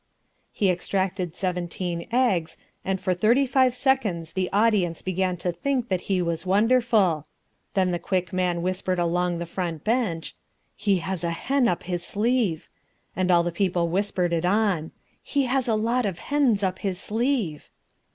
He extracted seventeen eggs, and for thirty five seconds the audience began to think that he was wonderful. Then the Quick Man whispered along the front bench, "He has a hen up his sleeve," and all the people whispered it on. "He has a lot of hens up his sleeve."